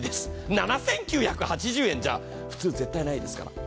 ７９８０円じゃ、普通、絶対ないですから。